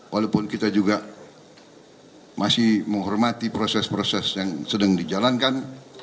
walaupun kita juga masih menghormati proses proses yang sedang dijalankan